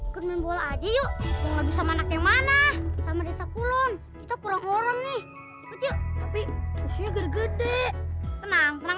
boleh boleh ayo masukkan pak silakan silakan